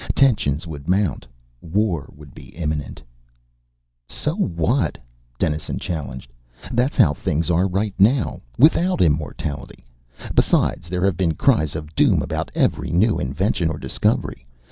Tensions would mount, war would be imminent " "So what?" Dennison challenged. "That's how things are right now, without immortality. Besides, there have been cries of doom about every new invention or discovery.